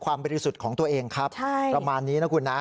ความเป็นที่สุดของตัวเองครับประมาณนี้นะคุณนะ